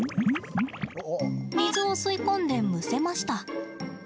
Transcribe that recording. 水を吸い込んで、むせました。